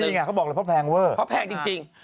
มีอย่างไรเขาบอกว่าเพราะแพงเวอร์เพราะแพงจริง